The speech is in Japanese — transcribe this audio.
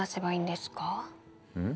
うん？